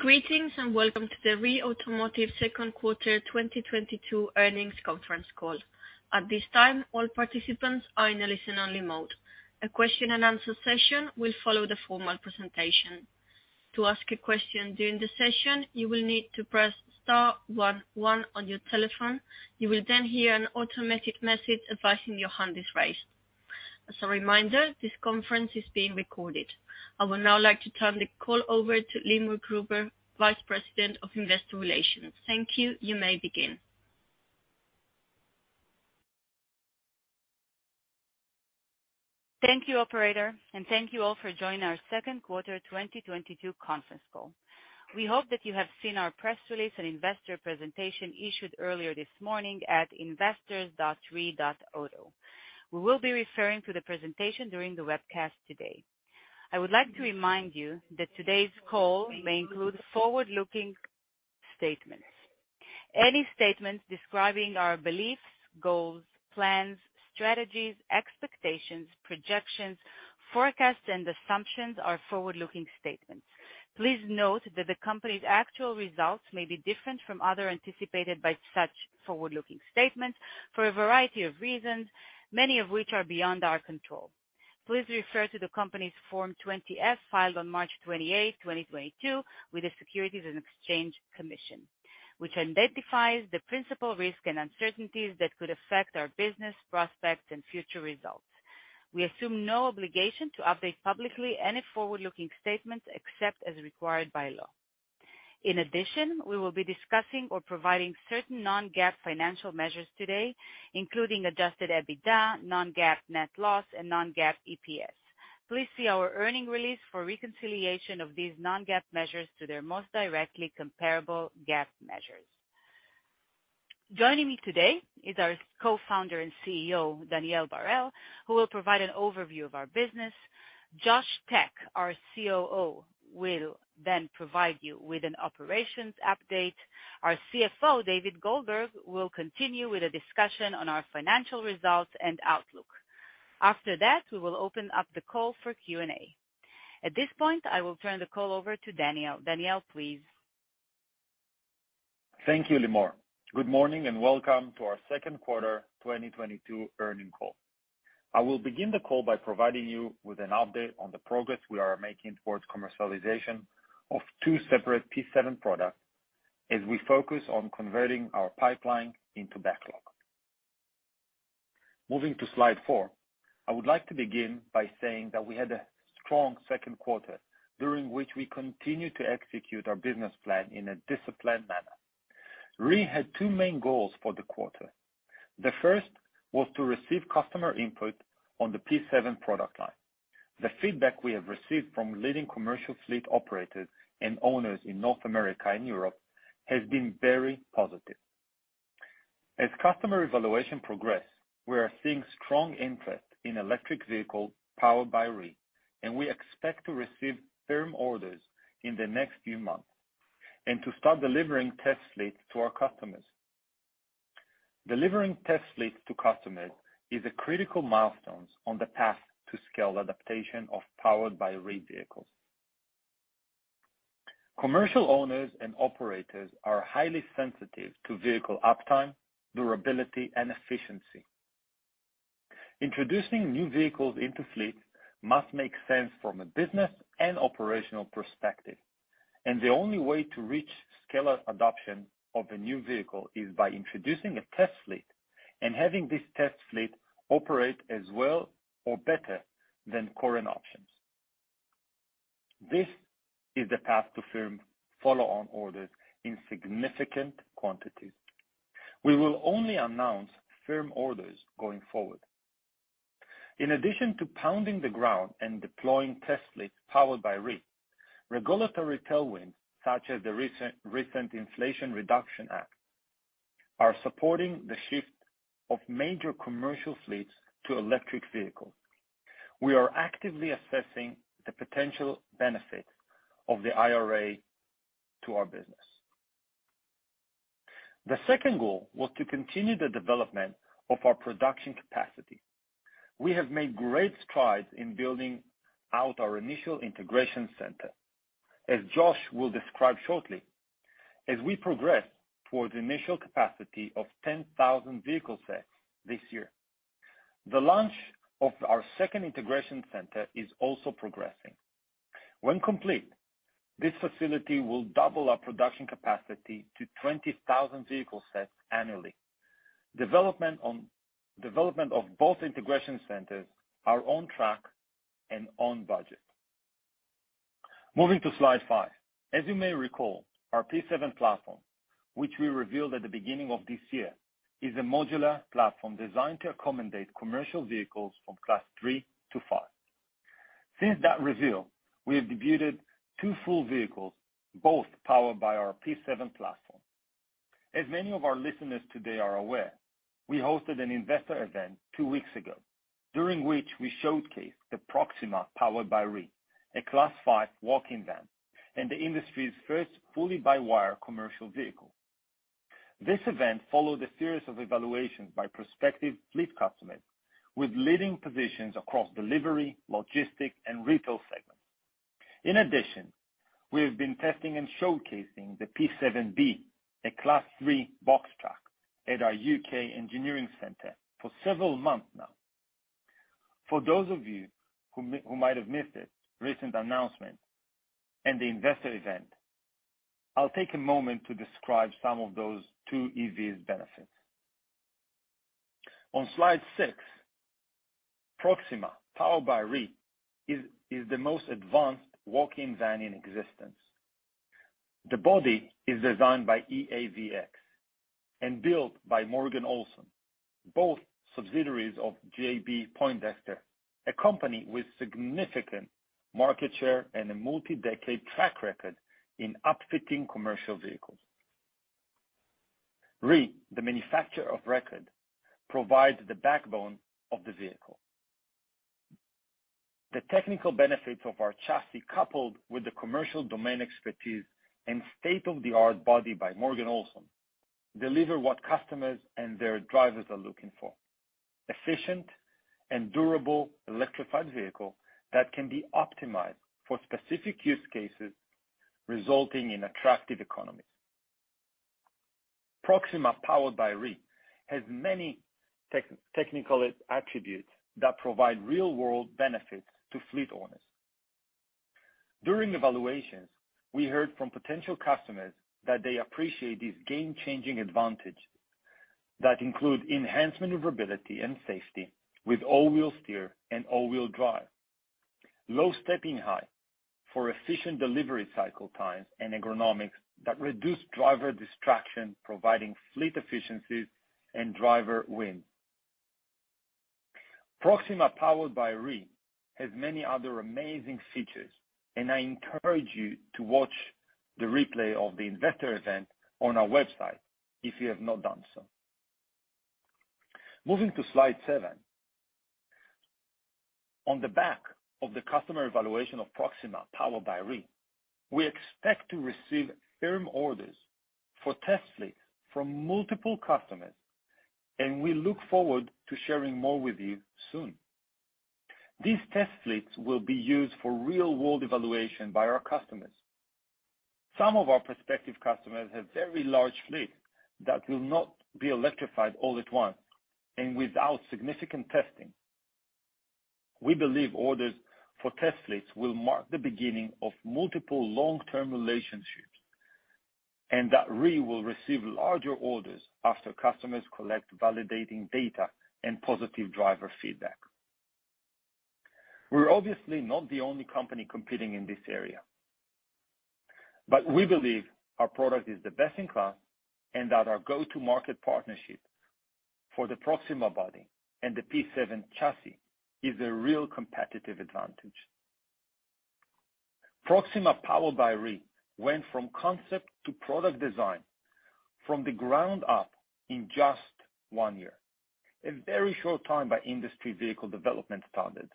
Greetings, and welcome to the REE Automotive Q2 2022 earnings conference call. At this time, all participants are in a listen-only mode. A Q&A session will follow the formal presentation. To ask a question during the session, you will need to press star one one on your telephone. You will then hear an automatic message advising your hand is raised. As a reminder, this conference is being recorded. I would now like to turn the call over to Limor Gruber, Vice President of Investor Relations. Thank you. You may begin. Thank you, operator, and thank you all for joining our Q2 2022 conference call. We hope that you have seen our press release and investor presentation issued earlier this morning at investors.ree.auto. We will be referring to the presentation during the webcast today. I would like to remind you that today's call may include forward-looking statements. Any statements describing our beliefs, goals, plans, strategies, expectations, projections, forecasts, and assumptions are forward-looking statements. Please note that the company's actual results may be different from other anticipated by such forward-looking statements for a variety of reasons, many of which are beyond our control. Please refer to the company's Form 20-F, filed on March 28, 2022 with the Securities and Exchange Commission, which identifies the principal risks and uncertainties that could affect our business prospects and future results. We assume no obligation to update publicly any forward-looking statements except as required by law. In addition, we will be discussing or providing certain non-GAAP financial measures today, including adjusted EBITDA, non-GAAP net loss, and non-GAAP EPS. Please see our earnings release for reconciliation of these non-GAAP measures to their most directly comparable GAAP measures. Joining me today is our co-founder and Chief Executive Officer, Daniel Barel, who will provide an overview of our business. Josh Tack, our Chief Operating Officer, will then provide you with an operations update. Our Chief Financial Officer, David Goldberg, will continue with a discussion on our financial results and outlook. After that, we will open up the call for Q&A. At this point, I will turn the call over to Daniel. Daniel, please. Thank you, Limor. Good morning, and welcome to our Q2 2022 earnings call. I will begin the call by providing you with an update on the progress we are making towards commercialization of two separate P7 products as we focus on converting our pipeline into backlog. Moving to slide four. I would like to begin by saying that we had a strong Q2, during which we continued to execute our business plan in a disciplined manner. REE had two main goals for the quarter. The first was to receive customer input on the P7 product line. The feedback we have received from leading commercial fleet operators and owners in North America and Europe has been very positive. As customer evaluations progress, we are seeing strong interest in electric vehicles Powered by REE, and we expect to receive firm orders in the next few months, and to start delivering test fleets to our customers. Delivering test fleets to customers is a critical milestone on the path to scaled adoption of Powered by REE vehicles. Commercial owners and operators are highly sensitive to vehicle uptime, durability, and efficiency. Introducing new vehicles into fleets must make sense from a business and operational perspective, and the only way to reach scaled adoption of a new vehicle is by introducing a test fleet and having this test fleet operate as well or better than current options. This is the path to firm follow-on orders in significant quantities. We will only announce firm orders going forward. In addition to pounding the ground and deploying test fleets powered by REE, regulatory tailwinds, such as the recent Inflation Reduction Act, are supporting the shift of major commercial fleets to electric vehicles. We are actively assessing the potential benefits of the IRA to our business. The second goal was to continue the development of our production capacity. We have made great strides in building out our initial integration center, as Josh will describe shortly, as we progress toward the initial capacity of 10,000 vehicle sets this year. The launch of our second integration center is also progressing. When complete, this facility will double our production capacity to 20,000 vehicle sets annually. Development of both integration centers are on track and on budget. Moving to slide five. As you may recall, our P7 platform, which we revealed at the beginning of this year, is a modular platform designed to accommodate commercial vehicles from Class 3 to 5. Since that reveal, we have debuted two full vehicles, both powered by our P7 platform. As many of our listeners today are aware, we hosted an investor event two weeks ago, during which we showcased the Proxima Powered by REE, a Class 5 walk-in van, and the industry's first fully by-wire commercial vehicle. This event followed a series of evaluations by prospective fleet customers with leading positions across delivery, logistics, and retail segments. In addition, we have been testing and showcasing the P7B, a Class 3 box truck, at our U.K. engineering center for several months now. For those of you who might have missed it, recent announcement and the investor event, I'll take a moment to describe some of those two EVs benefits. On slide six, Proxima, powered by REE, is the most advanced walk-in van in existence. The body is designed by EAVX and built by Morgan Olson, both subsidiaries of JB Poindexter, a company with significant market share and a multi-decade track record in upfitting commercial vehicles. REE, the manufacturer of record, provides the backbone of the vehicle. The technical benefits of our chassis, coupled with the commercial domain expertise and state-of-the-art body by Morgan Olson, deliver what customers and their drivers are looking for, efficient and durable electrified vehicle that can be optimized for specific use cases, resulting in attractive economies. Proxima, powered by REE, has many technical attributes that provide real-world benefits to fleet owners. During evaluations, we heard from potential customers that they appreciate this game-changing advantage that include enhanced maneuverability and safety with all-wheel steer and all-wheel drive, low stepping height for efficient delivery cycle times, and ergonomics that reduce driver distraction, providing fleet efficiencies and driver win. Proxima, powered by REE, has many other amazing features, and I encourage you to watch the replay of the investor event on our website if you have not done so. Moving to slide seven. On the back of the customer evaluation of Proxima, powered by REE, we expect to receive firm orders for test fleets from multiple customers, and we look forward to sharing more with you soon. These test fleets will be used for real-world evaluation by our customers. Some of our prospective customers have very large fleet that will not be electrified all at once and without significant testing. We believe orders for test fleets will mark the beginning of multiple long-term relationships, and that REE will receive larger orders after customers collect validating data and positive driver feedback. We're obviously not the only company competing in this area, but we believe our product is the best in class and that our go-to-market partnership for the Proxima body and the P7 chassis is a real competitive advantage. Proxima, Powered by REE, went from concept to product design from the ground up in just one year, a very short time by industry vehicle development standards.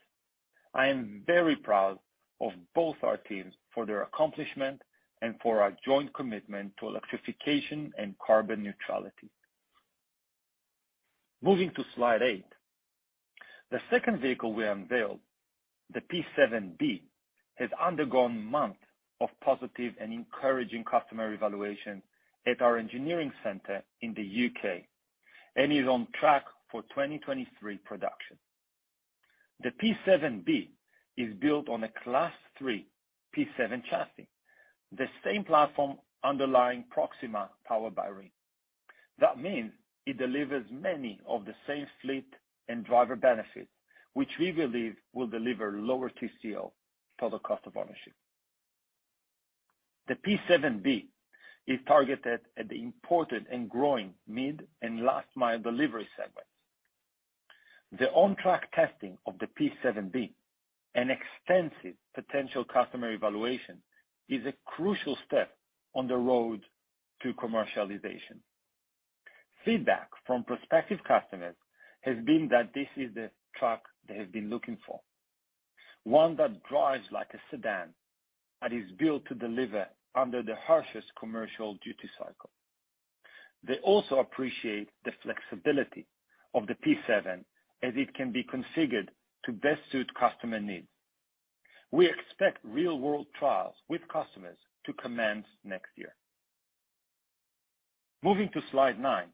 I am very proud of both our teams for their accomplishment and for our joint commitment to electrification and carbon neutrality. Moving to slide eight. The second vehicle we unveiled, the P7B, has undergone months of positive and encouraging customer evaluation at our engineering center in the U.K. and is on track for 2023 production. The P7B is built on a Class 3 P7 chassis, the same platform underlying Proxima, Powered by REE. That means it delivers many of the same fleet and driver benefits, which we believe will deliver lower TCO, total cost of ownership. The P7B is targeted at the important and growing mid- and last-mile delivery segment. The on-track testing of the P7B and extensive potential customer evaluation is a crucial step on the road to commercialization. Feedback from prospective customers has been that this is the truck they have been looking for, one that drives like a sedan, but is built to deliver under the harshest commercial duty cycle. They also appreciate the flexibility of the P7 as it can be configured to best suit customer needs. We expect real-world trials with customers to commence next year. Moving to slide 9.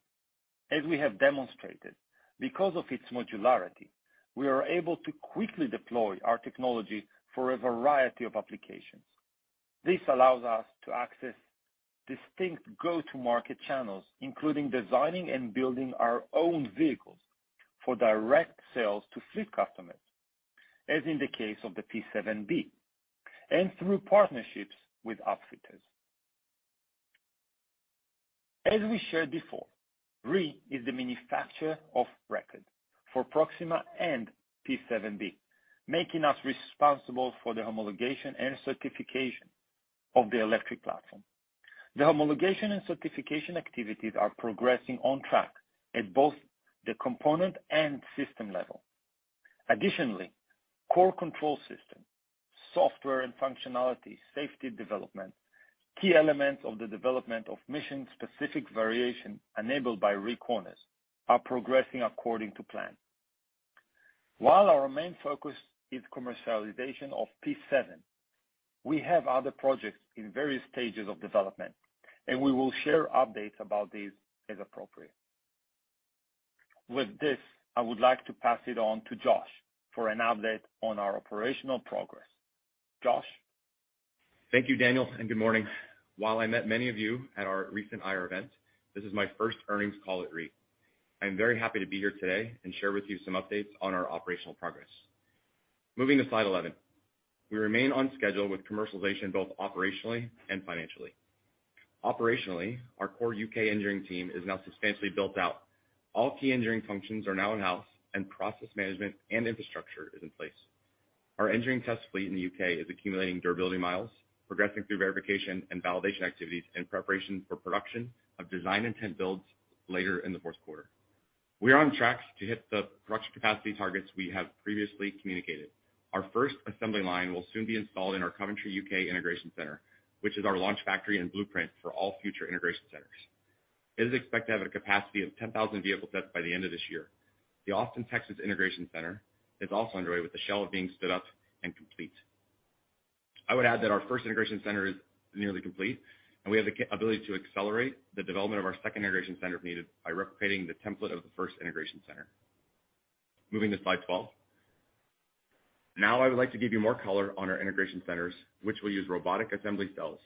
As we have demonstrated, because of its modularity, we are able to quickly deploy our technology for a variety of applications. This allows us to access distinct go-to-market channels, including designing and building our own vehicles for direct sales to fleet customers, as in the case of the P7B, and through partnerships with upfitters. As we shared before, REE is the manufacturer of record for Proxima and P7B, making us responsible for the homologation and certification of the electric platform. The homologation and certification activities are progressing on track at both the component and system level. Additionally, core control system, software and functionality, safety development, key elements of the development of mission-specific variation enabled by REEcorner are progressing according to plan. While our main focus is commercialization of P7, we have other projects in various stages of development, and we will share updates about these as appropriate. With this, I would like to pass it on to Josh for an update on our operational progress. Josh? Thank you, Daniel, and good morning. While I met many of you at our recent IR event, this is my first earnings call at REE. I'm very happy to be here today and share with you some updates on our operational progress. Moving to slide 11. We remain on schedule with commercialization both operationally and financially. Operationally, our core U.K. engineering team is now substantially built out. All key engineering functions are now in-house, and process management and infrastructure is in place. Our engineering test fleet in the U.K. is accumulating durability miles, progressing through verification and validation activities in preparation for production of design intent builds later in the Q4. We are on track to hit the production capacity targets we have previously communicated. Our first assembly line will soon be installed in our Coventry, U.K. integration center, which is our launch factory and blueprint for all future integration centers. It is expected to have a capacity of 10,000 vehicle sets by the end of this year. The Austin, Texas integration center is also underway with the shell being stood up and complete. I would add that our first integration center is nearly complete, and we have the capability to accelerate the development of our second integration center if needed by replicating the template of the first integration center. Moving to slide 12. Now I would like to give you more color on our integration centers, which will use robotic assembly cells,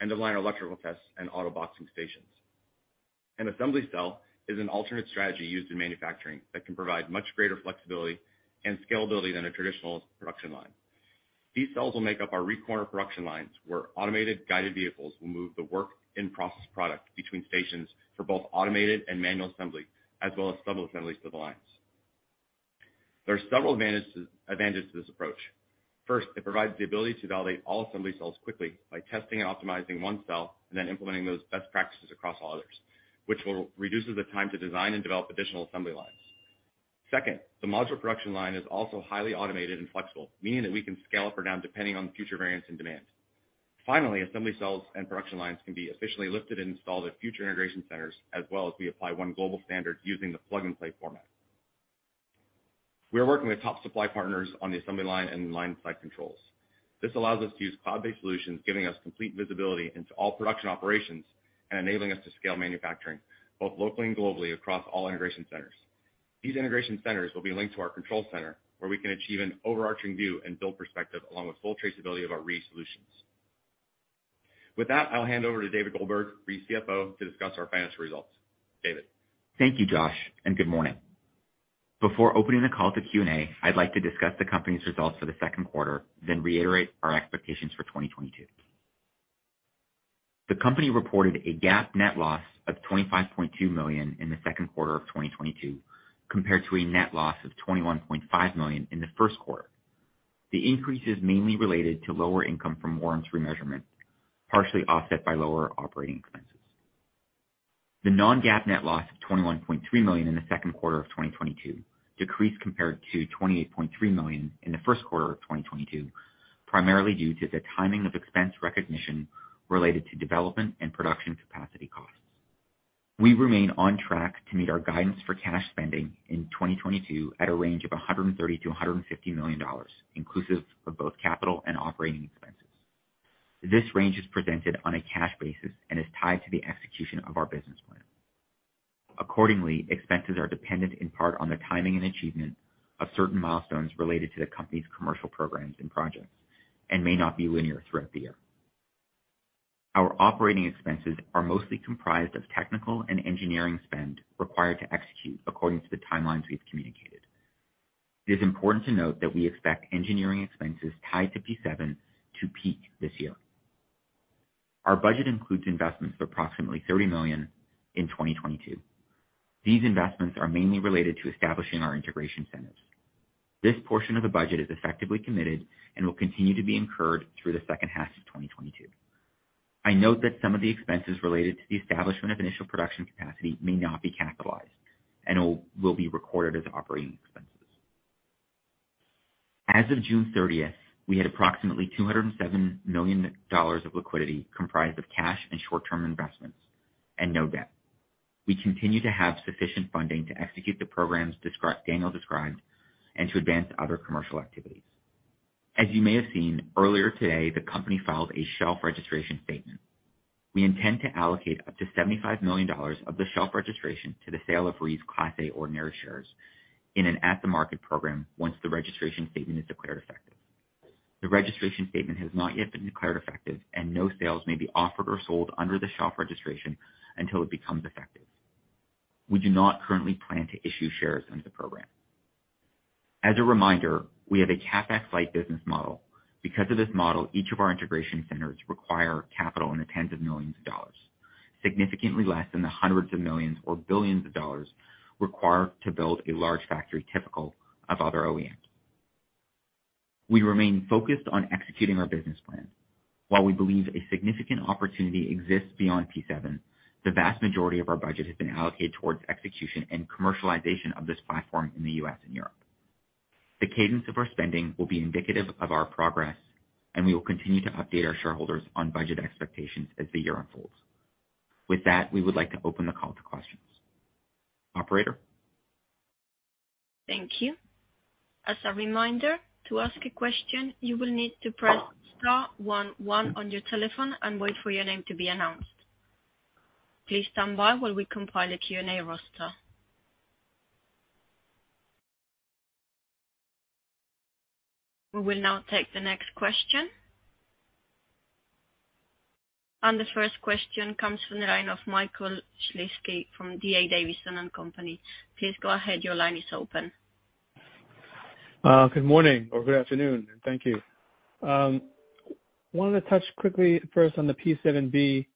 end-of-line electrical tests, and auto boxing stations. An assembly cell is an alternate strategy used in manufacturing that can provide much greater flexibility and scalability than a traditional production line. These cells will make up our REEcorner production lines, where automated guided vehicles will move the work in process product between stations for both automated and manual assembly, as well as sub-assemblies to the lines. There are several advantages to this approach. First, it provides the ability to validate all assembly cells quickly by testing and optimizing one cell and then implementing those best practices across all others, which will reduce the time to design and develop additional assembly lines. Second, the module production line is also highly automated and flexible, meaning that we can scale up or down depending on future variants and demand. Finally, assembly cells and production lines can be efficiently lifted and installed at future integration centers, as well as we apply one global standard using the plug-and-play format. We are working with top supply partners on the assembly line and line lift controls. This allows us to use cloud-based solutions, giving us complete visibility into all production operations and enabling us to scale manufacturing both locally and globally across all integration centers. These integration centers will be linked to our control center, where we can achieve an overarching view and build perspective along with full traceability of our REE solutions. With that, I'll hand over to David Goldberg, REE Chief Financial Officer, to discuss our financial results. David? Thank you, Josh, and good morning. Before opening the call to Q&A, I'd like to discuss the company's results for the Q2, then reiterate our expectations for 2022. The company reported a GAAP net loss of $25.2 million in the Q2 of 2022, compared to a net loss of $21.5 million in the Q1. The increase is mainly related to lower income from warrants remeasurement, partially offset by lower operating expenses. The non-GAAP net loss of $21.3 million in the Q2 of 2022 decreased compared to $28.3 million in the Q1 of 2022, primarily due to the timing of expense recognition related to development and production capacity costs. We remain on track to meet our guidance for cash spending in 2022 at a range of $130 million-$150 million, inclusive of both capital and operating expenses. This range is presented on a cash basis and is tied to the execution of our business plan. Accordingly, expenses are dependent in part on the timing and achievement of certain milestones related to the company's commercial programs and projects and may not be linear throughout the year. Our operating expenses are mostly comprised of technical and engineering spend required to execute according to the timelines we've communicated. It is important to note that we expect engineering expenses tied to P7 to peak this year. Our budget includes investments of approximately $30 million in 2022. These investments are mainly related to establishing our integration centers. This portion of the budget is effectively committed and will continue to be incurred through the second half of 2022. I note that some of the expenses related to the establishment of initial production capacity may not be capitalized and will be recorded as operating expenses. As of June 30, we had approximately $207 million of liquidity comprised of cash and short-term investments and no debt. We continue to have sufficient funding to execute the programs Daniel described and to advance other commercial activities. As you may have seen, earlier today, the company filed a shelf registration statement. We intend to allocate up to $75 million of the shelf registration to the sale of REE's Class A ordinary shares in an at-the-market program once the registration statement is declared effective. The registration statement has not yet been declared effective, and no sales may be offered or sold under the shelf registration until it becomes effective. We do not currently plan to issue shares under the program. As a reminder, we have a CapEx-light business model. Because of this model, each of our integration centers require capital in the $10 of millions, significantly less than the $100 of millions or billions required to build a large factory typical of other OEMs. We remain focused on executing our business plan. While we believe a significant opportunity exists beyond P7, the vast majority of our budget has been allocated towards execution and commercialization of this platform in the U.S. and Europe. The cadence of our spending will be indicative of our progress, and we will continue to update our shareholders on budget expectations as the year unfolds. With that, we would like to open the call to questions. Operator? Thank you. As a reminder, to ask a question, you will need to press star one one on your telephone and wait for your name to be announced. Please stand by while we compile a Q&A roster. We will now take the next question. The first question comes from the line of Michael Shlisky from D.A. Davidson & Company. Please go ahead. Your line is open. Good morning or good afternoon, and thank you. Wanted to touch quickly first on the P7b.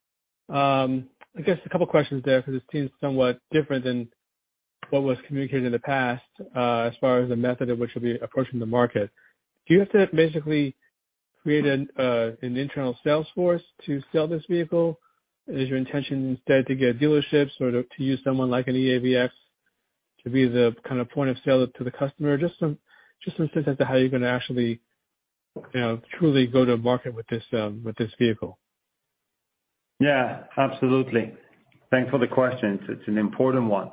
I guess a couple questions there, 'cause this seems somewhat different than what was communicated in the past, as far as the method in which you'll be approaching the market. Do you have to basically create an internal sales force to sell this vehicle? Is your intention instead to get dealerships or to use someone like an EAVX to be the kind of point of sale to the customer? Just some sense as to how you're gonna actually, you know, truly go to market with this vehicle. Yeah, absolutely. Thanks for the questions. It's an important one.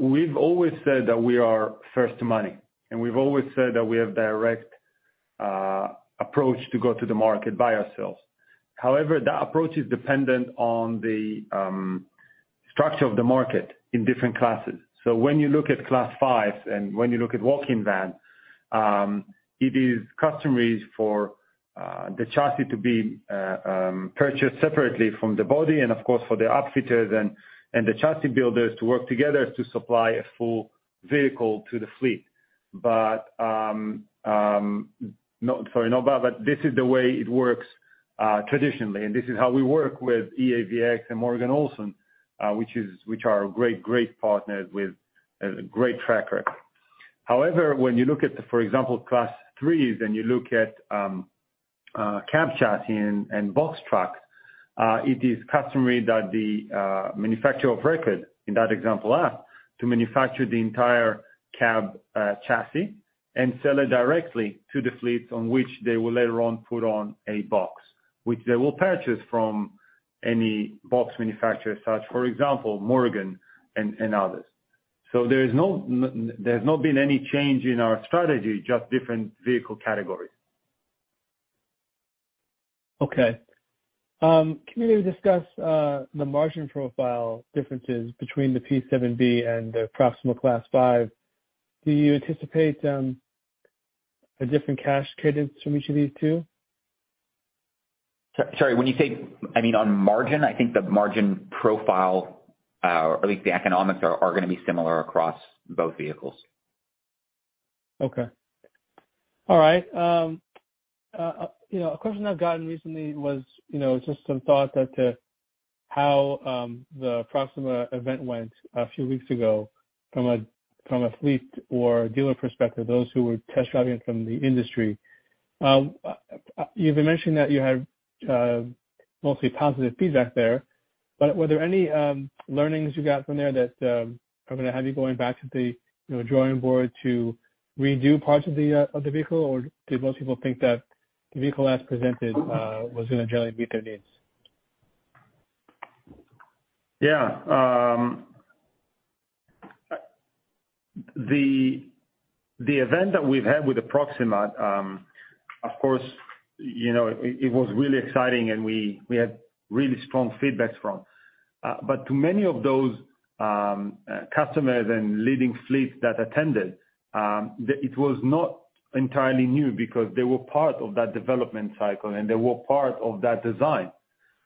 We've always said that we are first to market, and we've always said that we have direct approach to go to the market by ourselves. However, that approach is dependent on the structure of the market in different classes. When you look at Class 5 and when you look at walk-in van, it is customary for the chassis to be purchased separately from the body and of course, for the upfitters and the chassis builders to work together to supply a full vehicle to the fleet. This is the way it works traditionally, and this is how we work with EAVX and Morgan Olson, which are great partners with a great track record. However, when you look at the, for example, Class 3s, and you look at cab chassis and box trucks, it is customary that the manufacturer of record, in that example us, to manufacture the entire cab chassis and sell it directly to the fleets on which they will later on put on a box, which they will purchase from any box manufacturer, such, for example, Morgan Olson and others. There has not been any change in our strategy, just different vehicle categories. Can you discuss the margin profile differences between the P7b and the Proxima Class 5? Do you anticipate a different cash cadence from each of these two? Sorry. When you say, I mean, on margin, I think the margin profile, or at least the economics are gonna be similar across both vehicles. Okay. All right. You know, a question I've gotten recently was, you know, just some thought as to how the Proxima event went a few weeks ago from a fleet or dealer perspective, those who were test driving from the industry. You've mentioned that you had mostly positive feedback there, but were there any learnings you got from there that are gonna have you going back to the, you know, drawing board to redo parts of the vehicle? Or did most people think that the vehicle as presented was gonna generally meet their needs? Yeah. The event that we've had with the Proxima, of course, you know, it was really exciting and we had really strong feedback from. But to many of those customers and leading fleets that attended, it was not entirely new because they were part of that development cycle, and they were part of that design.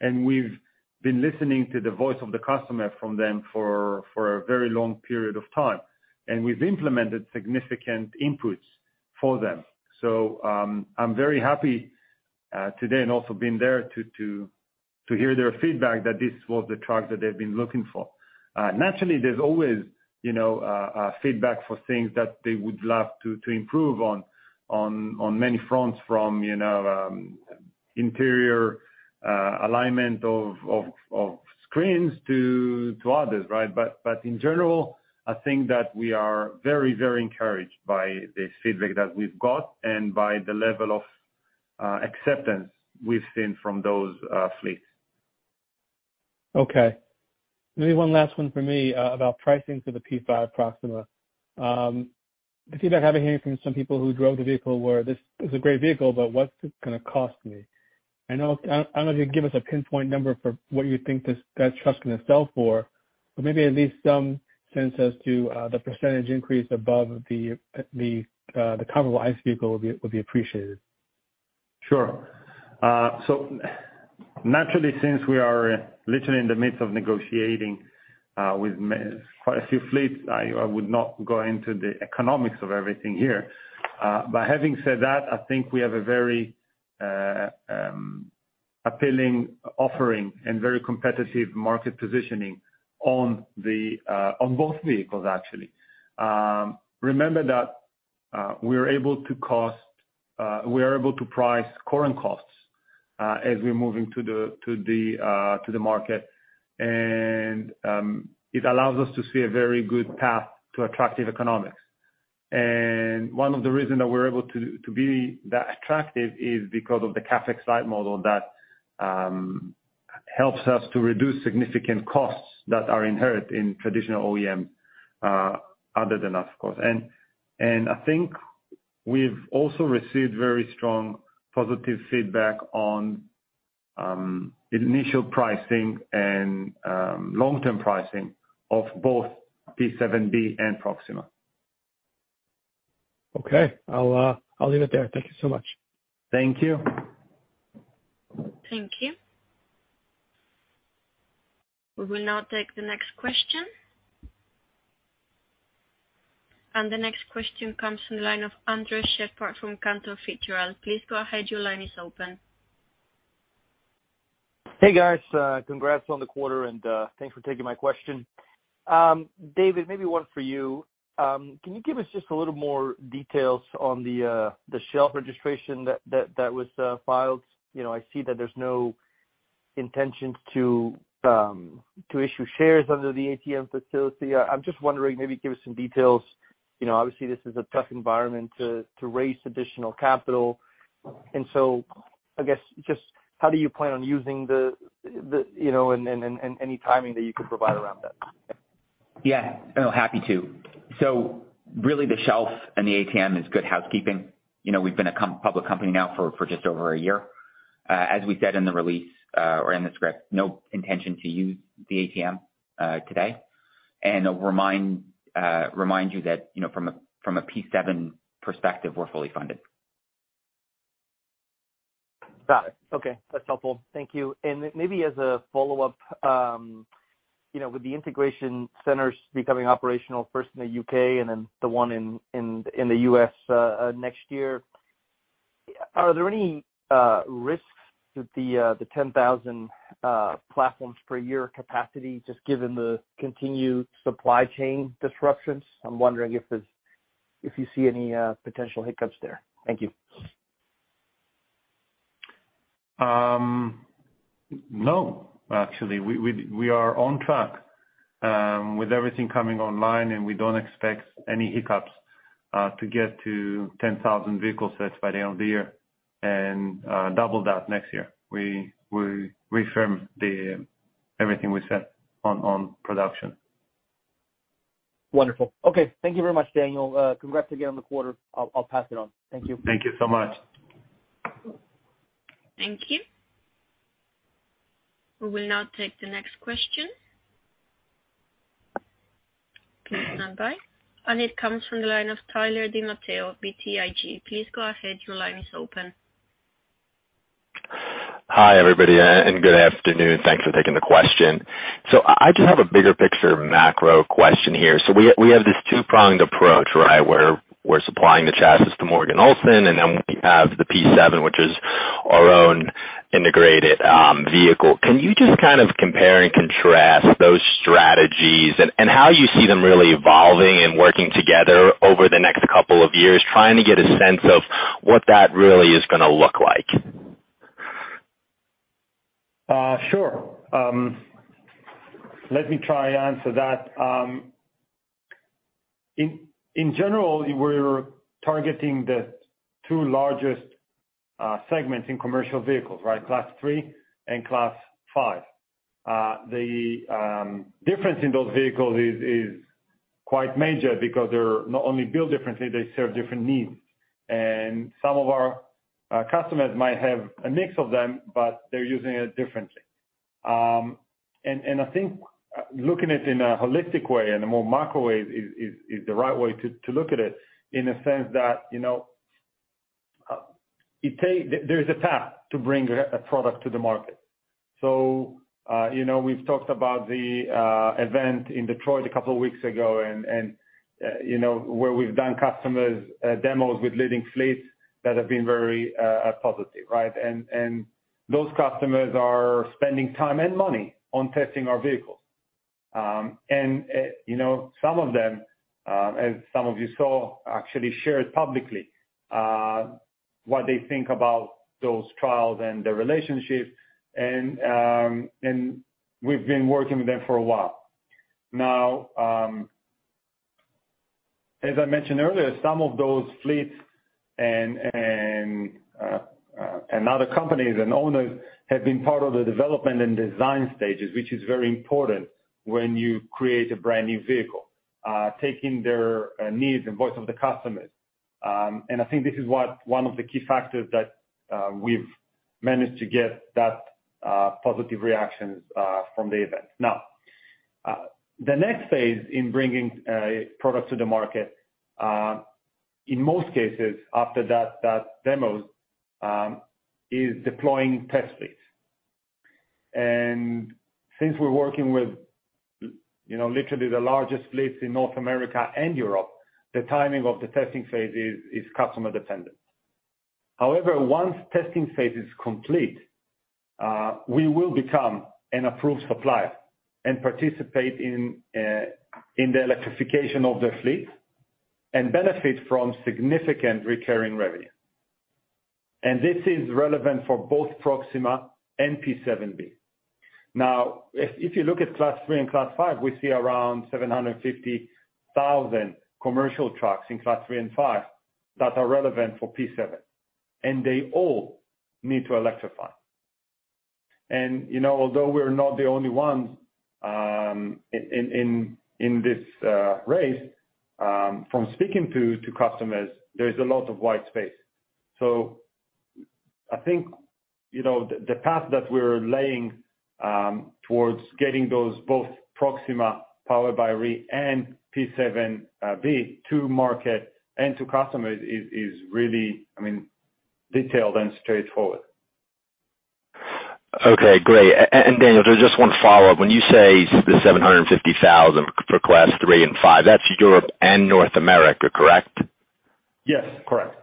We've been listening to the voice of the customer from them for a very long period of time, and we've implemented significant inputs for them. I'm very happy today and also being there to hear their feedback that this was the truck that they've been looking for. Naturally there's always, you know, a feedback for things that they would love to improve on many fronts from, you know, interior alignment of screens to others, right? In general, I think that we are very encouraged by the feedback that we've got and by the level of acceptance we've seen from those fleets. Okay. Maybe one last one from me, about pricing for the P7 Proxima. I seem to have heard from some people who drove the vehicle where this is a great vehicle, but what's it gonna cost me? I know I don't know if you can give us a pinpoint number for what you think that truck's gonna sell for, but maybe at least some sense as to the percentage increase above the comparable ICE vehicle would be appreciated. Sure. Naturally, since we are literally in the midst of negotiating with quite a few fleets, I would not go into the economics of everything here. Having said that, I think we have a very appealing offering and very competitive market positioning on both vehicles actually. Remember that we are able to price current costs as we're moving to the market. It allows us to see a very good path to attractive economics. One of the reason that we're able to be that attractive is because of the CapEx-light model that helps us to reduce significant costs that are inherent in traditional OEM other than us, of course. I think we've also received very strong positive feedback on initial pricing and long-term pricing of both P7-B and Proxima. Okay. I'll leave it there. Thank you so much. Thank you. Thank you. We will now take the next question. The next question comes from the line of Andres Sheppard from Cantor Fitzgerald. Please go ahead. Your line is open. Hey, guys. Congrats on the quarter, and thanks for taking my question. David, maybe one for you. Can you give us just a little more details on the shelf registration that was filed? You know, I see that there's no intention to issue shares under the ATM facility. I'm just wondering, maybe give us some details. You know, obviously this is a tough environment to raise additional capital. So I guess just how do you plan on using the, you know, and any timing that you could provide around that? Yeah. No, happy to. Really the shelf and the ATM is good housekeeping. You know, we've been a public company now for just over a year. As we said in the release, or in the script, no intention to use the ATM today. I'll remind you that, you know, from a P7 perspective, we're fully funded. Got it. Okay. That's helpful. Thank you. Maybe as a follow-up, you know, with the integration centers becoming operational first in the U.K. and then the one in the U.S. next year, are there any risks with the 10,000 platforms per year capacity, just given the continued supply chain disruptions? I'm wondering if you see any potential hiccups there. Thank you. No, actually. We are on track with everything coming online, and we don't expect any hiccups to get to 10,000 vehicle sets by the end of the year and double that next year. We reaffirm everything we said on production. Wonderful. Okay. Thank you very much, Daniel. Congrats again on the quarter. I'll pass it on. Thank you. Thank you so much. Thank you. We will now take the next question. Please stand by. It comes from the line of Tyler DiMatteo, BTIG. Please go ahead. Your line is open. Hi, everybody, and good afternoon. Thanks for taking the question. I just have a bigger picture macro question here. We have this two-pronged approach, right, where we're supplying the chassis to Morgan Olson, and then we have the P7, which is our own integrated vehicle. Can you just kind of compare and contrast those strategies and how you see them really evolving and working together over the next couple of years, trying to get a sense of what that really is gonna look like? Sure. Let me try to answer that. In general, we're targeting the two largest segments in commercial vehicles, right? Class 3 and Class 5. The difference in those vehicles is quite major because they're not only built differently, they serve different needs. Some of our customers might have a mix of them, but they're using it differently. I think looking at it in a holistic way and a more macro way is the right way to look at it in a sense that, you know, there's a path to bring a product to the market. You know, we've talked about the event in Detroit a couple weeks ago and, you know, where we've done customer demos with leading fleets that have been very positive, right? Those customers are spending time and money on testing our vehicles. You know, some of them, as some of you saw, actually shared publicly what they think about those trials and the relationships and we've been working with them for a while. As I mentioned earlier, some of those fleets and other companies and owners have been part of the development and design stages, which is very important when you create a brand new vehicle, taking their needs and voice of the customers. I think this is what one of the key factors that we've managed to get that positive reactions from the event. Now, the next phase in bringing products to the market, in most cases after that demos, is deploying test fleets. Since we're working with, you know, literally the largest fleets in North America and Europe, the timing of the testing phase is customer dependent. However, once testing phase is complete, we will become an approved supplier and participate in the electrification of their fleet and benefit from significant recurring revenue. This is relevant for both Proxima and P7-B. Now, if you look at Class 3 and Class 5, we see around 750,000 commercial trucks in Class 3 and 5 that are relevant for P7, and they all need to electrify. You know, although we're not the only ones in this race, from speaking to customers, there is a lot of white space. I think, you know, the path that we're laying towards getting those both Proxima powered by REE and P7-B to market and to customers is really, I mean, detailed and straightforward. Okay, great. Daniel, just one follow-up. When you say the 750,000 for Class 3 and 5, that's Europe and North America, correct? Yes, correct.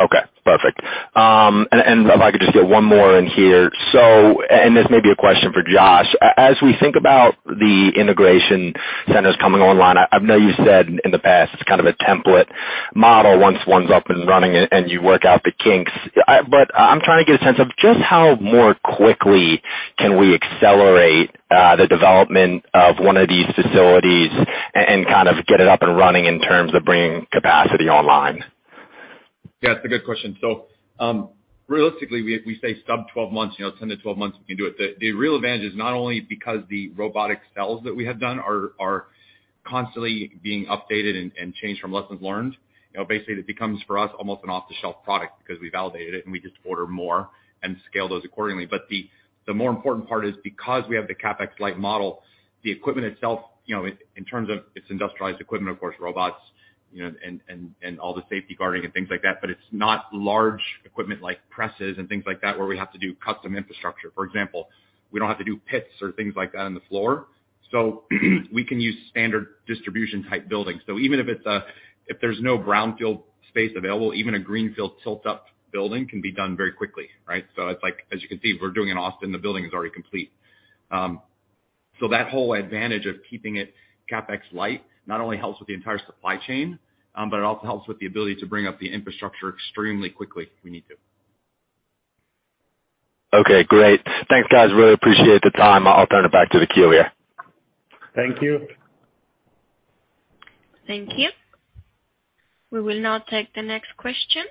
Okay, perfect. If I could just get one more in here. This may be a question for Josh. As we think about the integration centers coming online, I know you said in the past it's kind of a template model once one's up and running and you work out the kinks. I'm trying to get a sense of just how more quickly can we accelerate the development of one of these facilities and kind of get it up and running in terms of bringing capacity online? Yeah, it's a good question. Realistically we say sub-12 months, you know, 10-12 months we can do it. The real advantage is not only because the robotic cells that we have done are constantly being updated and changed from lessons learned. You know, basically it becomes for us almost an off-the-shelf product because we validate it, and we just order more and scale those accordingly. The more important part is because we have the CapEx-light model, the equipment itself, you know, in terms of its industrialized equipment, of course, robots, you know, and all the safety guarding and things like that, but it's not large equipment like presses and things like that, where we have to do custom infrastructure. For example, we don't have to do pits or things like that on the floor, so we can use standard distribution-type buildings. Even if there's no brownfield space available, even a greenfield tilt-up building can be done very quickly, right? It's like, as you can see, we're doing in Austin, the building is already complete. That whole advantage of keeping it CapEx-light not only helps with the entire supply chain, but it also helps with the ability to bring up the infrastructure extremely quickly if we need to. Okay, great. Thanks, guys. Really appreciate the time. I'll turn it back to queue here. Thank you. Thank you. We will now take the next question.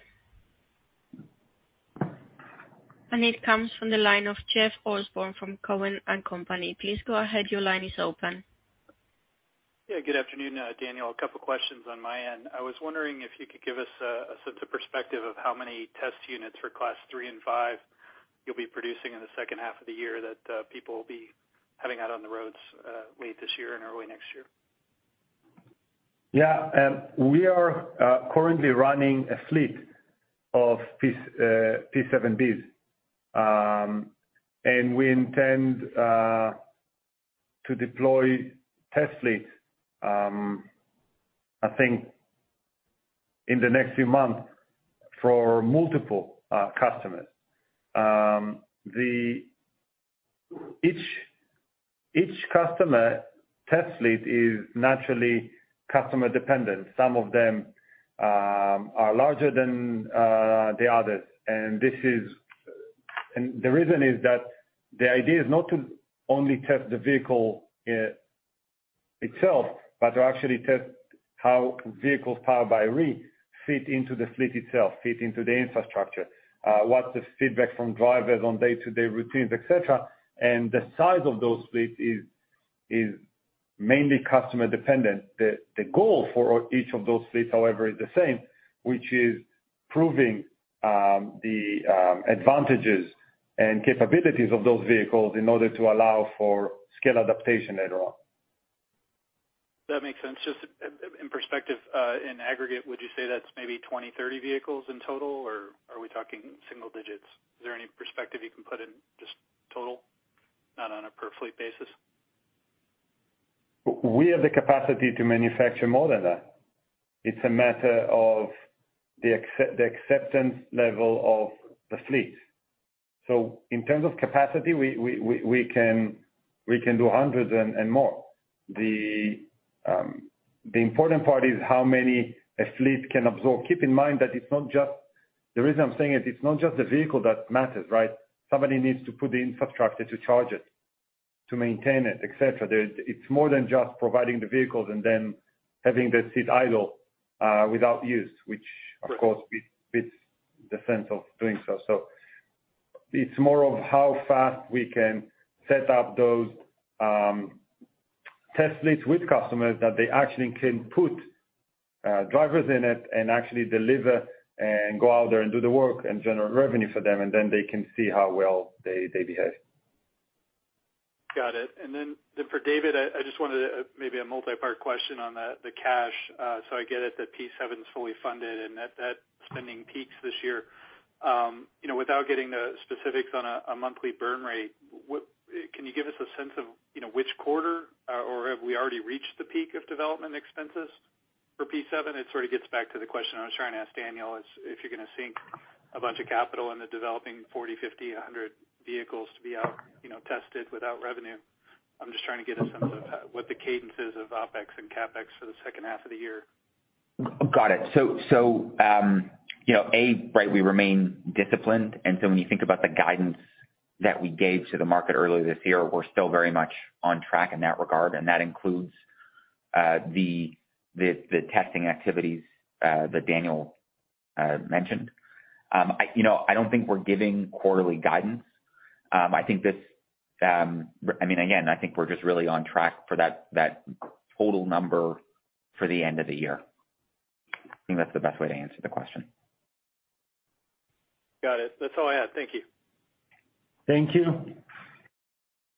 It comes from the line of Jeffrey Osborne from Cowen & Company. Please go ahead. Your line is open. Yeah, good afternoon, Daniel. A couple questions on my end. I was wondering if you could give us a sense of perspective of how many test units for Class 3 and 5 you'll be producing in the second half of the year that people will be having out on the roads, late this year and early next year. Yeah. We are currently running a fleet of P7s, P7-Bs. We intend to deploy test fleets, I think in the next few months for multiple customers. Each customer test fleet is naturally customer dependent. Some of them are larger than the others. The reason is that the idea is not to only test the vehicle itself, but to actually test how vehicles powered by REE fit into the fleet itself, fit into the infrastructure, what's the feedback from drivers on day-to-day routines, et cetera. The size of those fleets is mainly customer dependent. The goal for each of those fleets, however, is the same, which is proving the advantages and capabilities of those vehicles in order to allow for scale adaptation later on. That makes sense. Just in perspective, in aggregate, would you say that's maybe 20, 30 vehicles in total, or are we talking single digits? Is there any perspective you can put in just total, not on a per fleet basis? We have the capacity to manufacture more than that. It's a matter of the acceptance level of the fleet. In terms of capacity, we can do hundreds and more. The important part is how many a fleet can absorb. Keep in mind that it's not just the vehicle that matters, right? Somebody needs to put the infrastructure to charge it, to maintain it, et cetera. There's more than just providing the vehicles and then having them sit idle without use, which of course beats the sense of doing so. It's more of how fast we can set up those test fleets with customers that they actually can put drivers in it and actually deliver and go out there and do the work and generate revenue for them, and then they can see how well they behave. Got it. Then for David, I just wanted to maybe a multi-part question on the cash. So I get it that P7 is fully funded and that spending peaks this year. You know, without getting the specifics on a monthly burn rate, what can you give us a sense of, you know, which quarter or have we already reached the peak of development expenses for P7? It sort of gets back to the question I was trying to ask Daniel is, if you're gonna sink a bunch of capital into developing 40, 50, 100 vehicles to be out, you know, tested without revenue, I'm just trying to get a sense of what the cadence is of OpEx and CapEx for the second half of the year. Got it. You know, yeah, right, we remain disciplined. When you think about the guidance that we gave to the market earlier this year, we're still very much on track in that regard, and that includes the testing activities that Daniel mentioned. You know, I don't think we're giving quarterly guidance. I think this, I mean, again, I think we're just really on track for that total number for the end of the year. I think that's the best way to answer the question. Got it. That's all I had. Thank you. Thank you.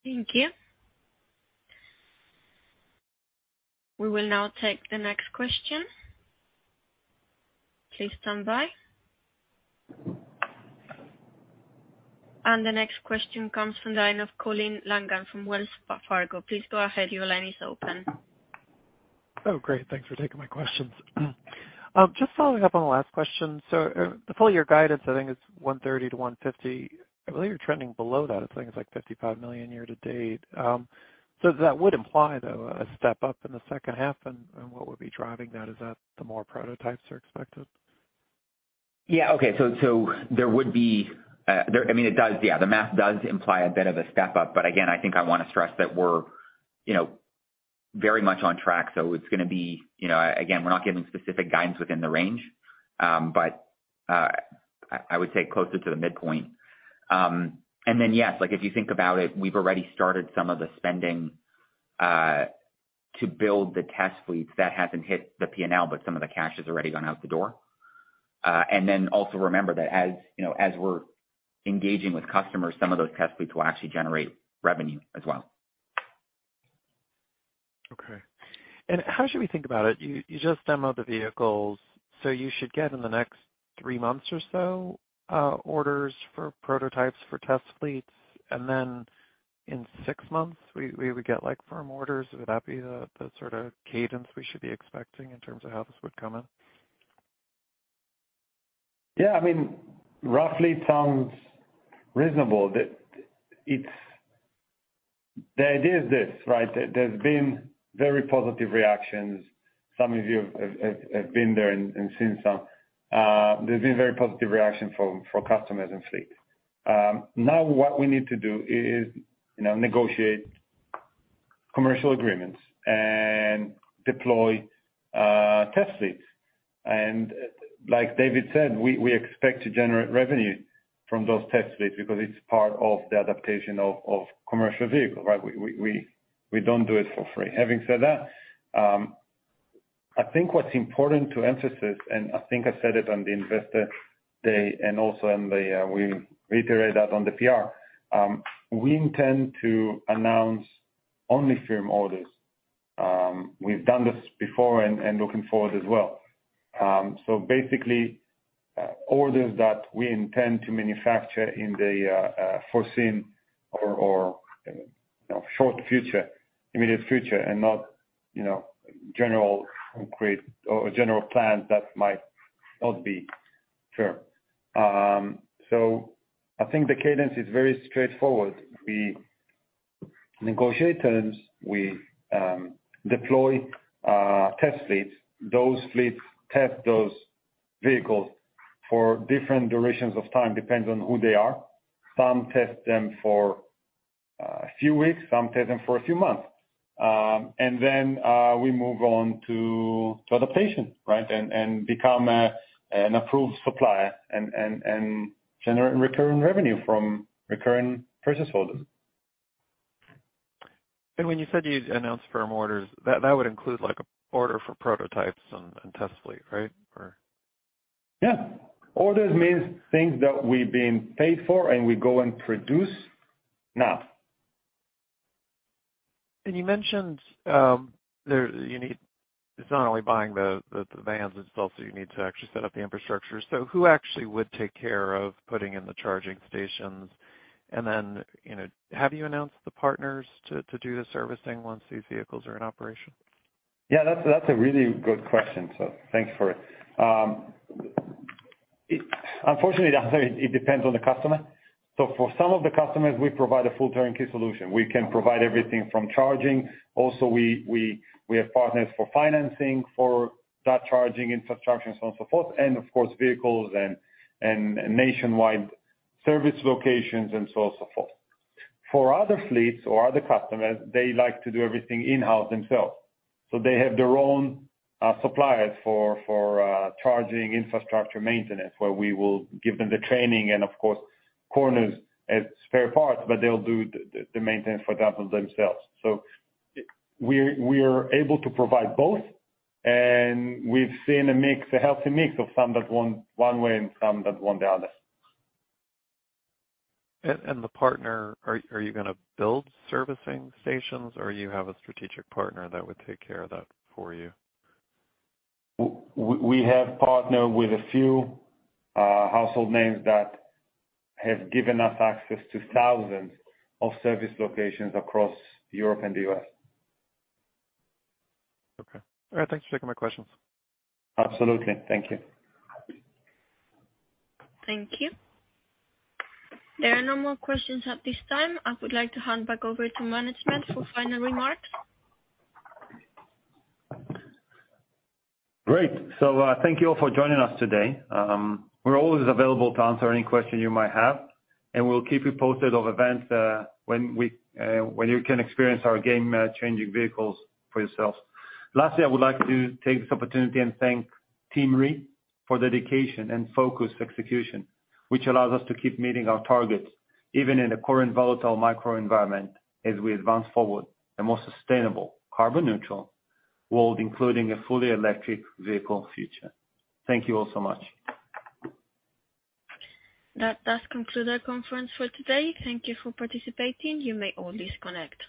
Thank you. We will now take the next question. Please stand by. The next question comes from the line of Colin Langan from Wells Fargo. Please go ahead. Your line is open. Oh, great. Thanks for taking my questions. Just following up on the last question. The full year guidance, I think is $130 million-$150 million. I believe you're trending below that. I think it's like $55 million year to date. That would imply, though, a step up in the second half and what would be driving that? Is that the more prototypes are expected? I mean, it does, yeah, the math does imply a bit of a step up. Again, I think I wanna stress that we're, you know, very much on track. It's gonna be, you know, again, we're not giving specific guidance within the range, but I would say closer to the midpoint. Then, yes, like, if you think about it, we've already started some of the spending to build the test fleets. That hasn't hit the P&L, but some of the cash has already gone out the door. Also remember that as, you know, as we're engaging with customers, some of those test fleets will actually generate revenue as well. Okay. How should we think about it? You just demoed the vehicles, so you should get in the next three months or so orders for prototypes for test fleets, and then in six months, we would get like firm orders. Would that be the sort of cadence we should be expecting in terms of how this would come in? Yeah. I mean, roughly it sounds reasonable. The idea is this, right? There's been very positive reactions. Some of you have been there and seen some. There's been very positive reaction from customers and fleets. Now what we need to do is, you know, negotiate commercial agreements and deploy test fleets. Like David said, we expect to generate revenue from those test fleets because it's part of the adaptation of commercial vehicles, right? We don't do it for free. Having said that, I think what's important to emphasize, and I think I said it on the Investor Day and also, we reiterate that on the PR, we intend to announce only firm orders. We've done this before and looking forward as well. Basically, orders that we intend to manufacture in the foreseeable or short future, immediate future and not, you know, general or general plans that might not be firm. I think the cadence is very straightforward. We negotiate terms, we deploy test fleets. Those fleets test those vehicles for different durations of time, depends on who they are. Some test them for a few weeks, some test them for a few months. We move on to adoption, right? Become an approved supplier and generate recurring revenue from recurring purchase orders. When you said you announced firm orders, that would include like an order for prototypes and test fleet, right? Yeah. Orders means things that we've been paid for and we go and produce now. You mentioned, it's not only buying the vans, it's also you need to actually set up the infrastructure. Who actually would take care of putting in the charging stations? You know, have you announced the partners to do the servicing once these vehicles are in operation? Yeah, that's a really good question, so thank you for it. Unfortunately, the answer, it depends on the customer. For some of the customers, we provide a full turnkey solution. We can provide everything from charging. Also, we have partners for financing for that charging infrastructure and so on, so forth, and of course, vehicles and nationwide service locations, and so on, so forth. For other fleets or other customers, they like to do everything in-house themselves. They have their own suppliers for charging infrastructure maintenance, where we will give them the training and of course, REEcorner as spare parts, but they'll do the maintenance for that one themselves. We're able to provide both, and we've seen a mix, a healthy mix of some that want one way and some that want the other. The partner, are you gonna build service stations, or you have a strategic partner that would take care of that for you? We have partnered with a few household names that have given us access to thousands of service locations across Europe and the U.S. Okay. All right. Thanks for taking my questions. Absolutely. Thank you. Thank you. There are no more questions at this time. I would like to hand back over to management for final remarks. Great. Thank you all for joining us today. We're always available to answer any question you might have, and we'll keep you posted of events, when you can experience our game changing vehicles for yourself. Lastly, I would like to take this opportunity and thank team REE for dedication and focused execution, which allows us to keep meeting our targets, even in a current volatile macro environment as we advance forward a more sustainable carbon-neutral world, including a fully electric vehicle future. Thank you all so much. That does conclude our conference for today. Thank you for participating. You may all disconnect.